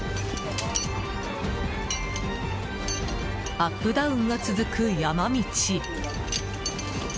アップダウンが続く山道。